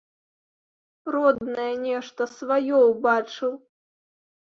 Роднае нешта, сваё ўбачыў.